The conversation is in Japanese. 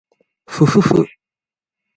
ふふふ